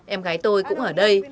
em gái tôi cũng ở đây